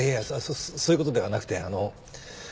そういうことではなくてあのう。